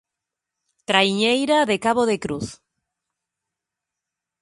Traiñeira de Cabo de Cruz.